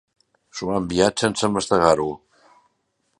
S'ho ha enviat sense mastegar-ho.